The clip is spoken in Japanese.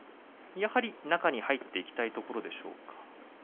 やはり中に入っていきたいところでしょうか。